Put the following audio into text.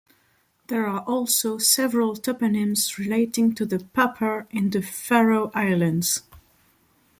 There are also several toponyms relating to the Papar in the Faroe Islands.